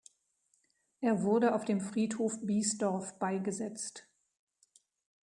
Er wurde auf dem Friedhof Biesdorf beigesetzt.